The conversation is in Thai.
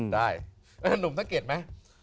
ได้นุ่มสังเกตมั้ย